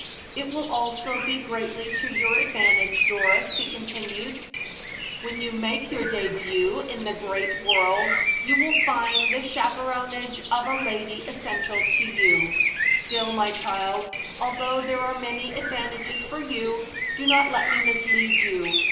"It will also be greatly to your advantage, Doris," he continued. "When you make your debut in the great world, you will find the chaperonage of a lady essential to you. Still, my child, although there are many advantages for you, do not let me mislead you.